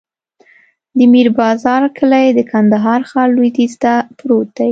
د میر بازار کلی د کندهار ښار لویدیځ ته پروت دی.